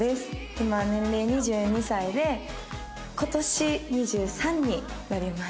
今年齢２２歳で今年２３になります。